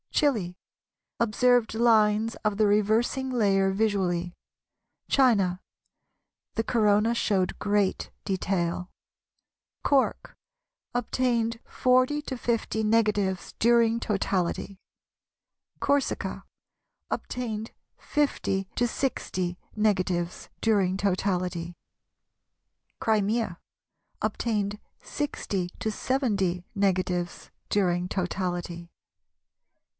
Chili, Observed lines of the reversing layer visually. China, The Corona showed great detail. Cork, Obtained 40 50 negatives during totality. Corsica, Obtained 50 60 negatives during totality. Crimea, Obtained 60 70 negatives during totality.